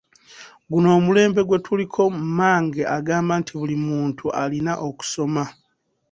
Guno omulembe gwe tuliko mmange agamba nti buli muntu alina okusoma.